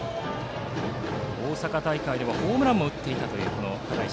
大阪大会ではホームランも打っていた只石。